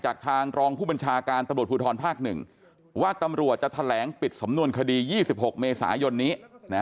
ทางรองผู้บัญชาการตำรวจภูทรภาค๑ว่าตำรวจจะแถลงปิดสำนวนคดี๒๖เมษายนนี้